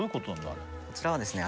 あれこちらはですね